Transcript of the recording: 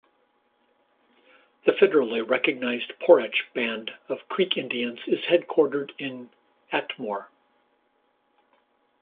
The federally recognized Poarch Band of Creek Indians is headquartered in Atmore.